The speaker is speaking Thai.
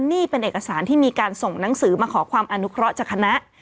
นี่เป็นเอกสารที่มีการส่งหนังสือมาขอความอนุเคราะห์จากคณะ